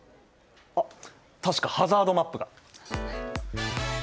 あっ確かハザードマップが。